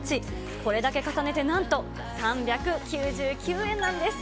これだけ重ねてなんと３９９円なんです。